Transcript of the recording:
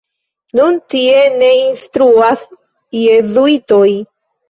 Nun tie ne instruas jezuitoj.